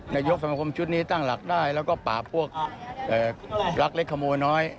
นายกสมคมชุดนี้ตั้งหลักได้แล้วก็ปราบพวกรักเล็กขโมยน้อย